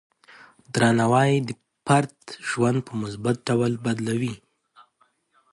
درناوی د فرد ژوند په مثبت ډول بدلوي.